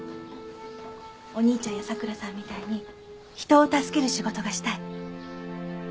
お兄ちゃんや佐倉さんみたいに人を助ける仕事がしたい。